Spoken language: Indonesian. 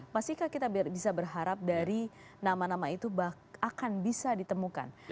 masihkah kita bisa berharap dari nama nama itu akan bisa ditemukan